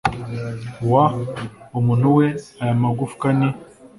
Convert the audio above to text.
w umuntu we aya magufwa ni